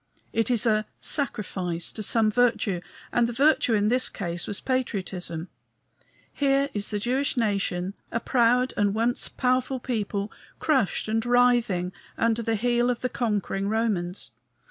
It is a "sacrifice" to some virtue; and the virtue in this case was patriotism. Here is the Jewish nation, a proud and once powerful people, crushed and writhing under the heel of the conquering Romans.